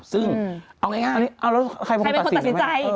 ซึ่งเอาง่ายเอาแล้วใครเป็นคนตัดสินใจ